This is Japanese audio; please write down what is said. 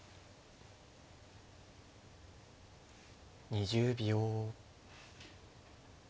２０秒。